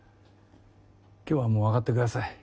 今日はもうあがってください。